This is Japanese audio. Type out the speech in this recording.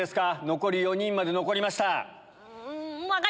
残り４人まで残りました。